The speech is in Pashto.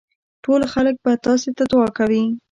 ټول خلک به تاسي ته دعا کوي.